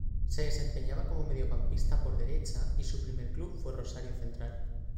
Se desempeñaba como mediocampista por derecha y su primer club fue Rosario Central.